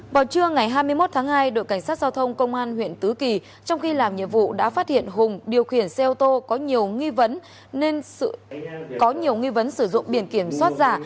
vào trưa ngày hai mươi một tháng hai đội cảnh sát giao thông công an huyện tứ kỳ trong khi làm nhiệm vụ đã phát hiện hùng điều khiển xe ô tô có nhiều nghi vấn sử dụng biển kiểm soát giả